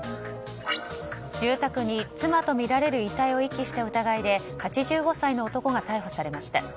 住宅に妻とみられる遺体を遺棄した疑いで８５歳の男が逮捕されました。